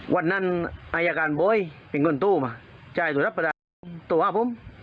วันนั้นอ่าอยากการบอยเป็นคนตู้ม่ะจ่ายตัวรับประจำตัวว่าพุ่ม